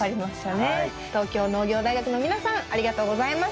東京農業大学の皆さんありがとうございました。